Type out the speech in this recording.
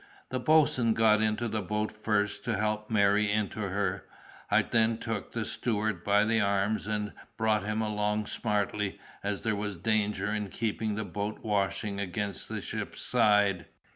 The boatswain got into the boat first to help Mary into her. I then took the steward by the arms and brought him along smartly, as there was danger in keeping the boat washing against the ship's side.